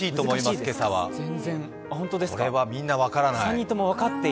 これは、みんな分からない。